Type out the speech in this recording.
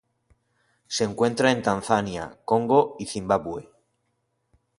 Se encuentra en Tanzania, Congo y Zimbabue.